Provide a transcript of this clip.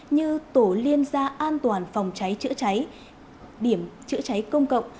như tổ liên gia an toàn phòng cháy chữa cháy điểm chữa cháy công cộng